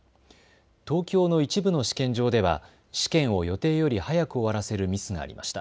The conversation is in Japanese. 東京の一部の試験場では試験を予定より早く終わらせるミスがありました。